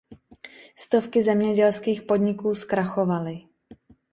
Stovky zemědělských podniků zkrachovaly.